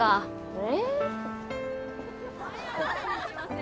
え？